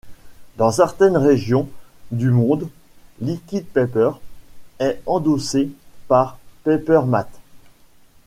Dans certaines régions du monde, Liquid Paper est endossé par Paper Mate.